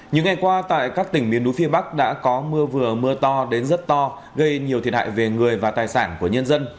những ngày qua tại các tỉnh miền núi phía bắc đã có mưa vừa mưa to đến rất to gây nhiều thiệt hại về người và tài sản của nhân dân